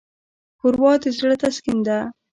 ښوروا د زړه تسکین ده.